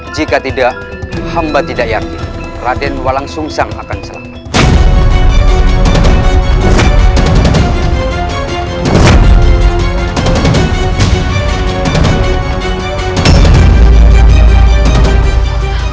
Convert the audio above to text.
jika tidak hamba tidak yakin raden mewalang sungsang akan selamat